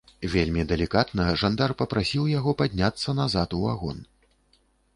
Вельмі далікатна жандар папрасіў яго падняцца назад у вагон.